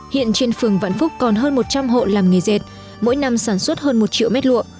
hiện trên phường vạn phúc còn hơn một trăm linh hộ làm nghề dệt mỗi năm sản xuất hơn một triệu mét lụa